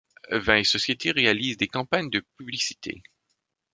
Vin et société réalise des campagnes de publicité.